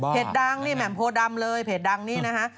ดังนี่แหม่มโพดำเลยเพจดังนี่นะฮะ